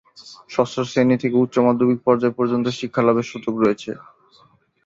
ষষ্ঠ শ্রেণী থেকে উচ্চ মাধ্যমিক পর্যায় পর্যন্ত শিক্ষালাভের সুযোগ রয়েছে।